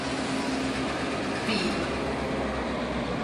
撆